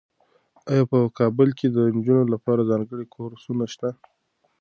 ایا په کابل کې د نجونو لپاره ځانګړي کورسونه شته؟